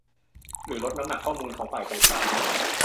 หรือลดน้ำหนักข้อมูลของฝ่ายตรงข้าม